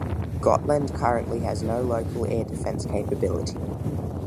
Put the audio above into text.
Gotland currently has no local air defence capability.